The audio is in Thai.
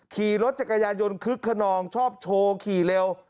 ขี่รถจักรยานยนต์คึกขนองชอบโชว์ขี่เร็ว